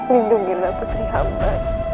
lindungilah putri hamba